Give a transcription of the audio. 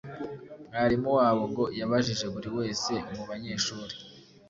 mwarimu wabo ngo yabajije buri wese mu banyeshuri